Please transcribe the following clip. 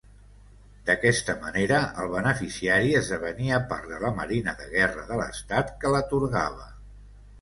D'aquesta manera, el beneficiari esdevenia part de la marina de guerra de l'estat que l'atorgava.